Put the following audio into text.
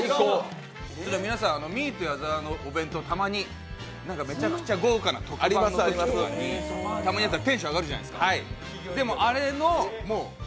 皆さん、ミート矢澤のお弁当、たまにめちゃくちゃ豪華な特番のときとかにたまにあったらテンション上がるじゃないですか。